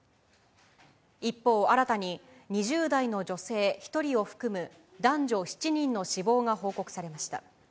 一方、新たに２０代の女性１人を含む男女７人の死亡が報告されました。